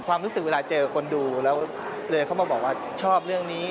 ความรู้สึกเวลาเจอคนดูแล้วเลยเขามาบอกว่าชอบเรื่องนี้